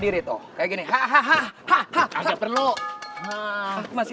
di sini aku disuruh rp lima puluh aku lelit semua that's crazy